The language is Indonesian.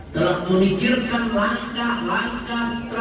telah memikirkan langkah langkah strategis